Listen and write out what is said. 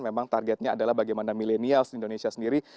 memang targetnya adalah bagaimana milenials di indonesia sendiri